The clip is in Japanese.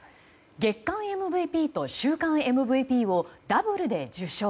月間ＭＶＰと週間ＭＶＰをダブルで受賞。